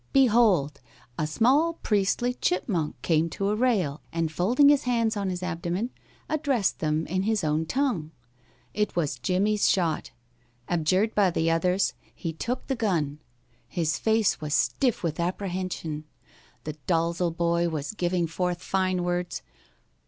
Behold! a small priestly chipmonk came to a rail, and folding his hands on his abdomen, addressed them in his own tongue. It was Jimmie's shot. Adjured by the others, he took the gun. His face was stiff with apprehension. The Dalzel boy was giving forth fine words.